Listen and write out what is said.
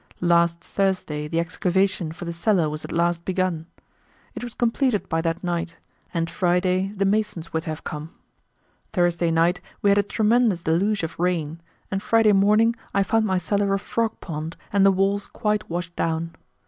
Last Thursday the excavation for the cellar was at last begun. It was completed by that night, and Friday the masons were to have come. Thursday night we had a tremendous deluge of rain, and Friday morning I found my cellar a frog pond and the walls quite washed down.